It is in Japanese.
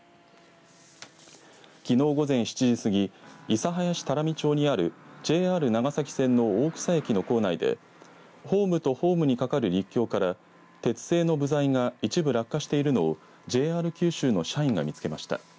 きのう午前７時過ぎ諫早市多良見町にあるＪＲ長崎線の大草駅の構内でホームとホームに架かる陸橋から鉄製の部材が一部落下しているのをＪＲ九州の社員が見つけました。